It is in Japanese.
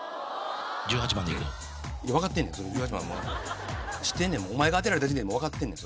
１８番でいく分かってんねん１８番はもう知ってんねんお前が当てられた時点でもう分かってんねん